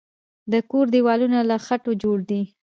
د کور دیوالونه له خټو جوړ دی.